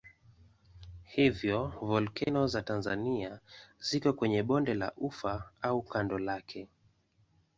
Hivyo volkeno za Tanzania ziko kwenye bonde la Ufa au kando lake.